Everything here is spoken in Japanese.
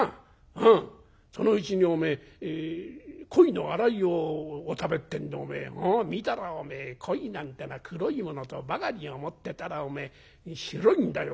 うんそのうちにおめえ『コイのあらいをお食べ』ってんで見たらおめえコイなんてのは黒いものとばかり思ってたら白いんだよ